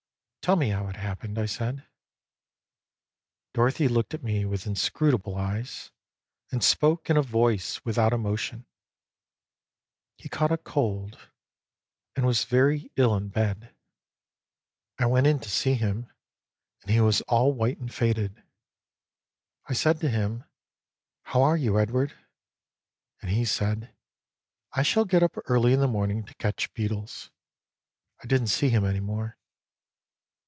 " Tell me how it happened," I said. Dorothy looked at me with inscrutable eyes, and spoke in a voice without emotion. " He caught a cold, and was very ill in bed. THE PASSING OF EDWARD I wait in to see him, and he was all white and faded. I said to him, 'How are you Edward?' and he said, ' I shall get up early in the morning to catch beetles.' I didn't see him any more."